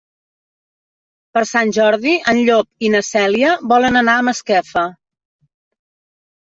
Per Sant Jordi en Llop i na Cèlia volen anar a Masquefa.